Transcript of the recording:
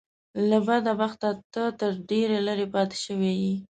له بده بخته ته ترې ډېر لرې پاتې شوی يې .